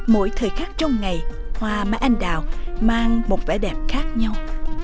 mỗi thời khắc trong ngày hoa mai anh đào mang một vẻ đẹp khác nhau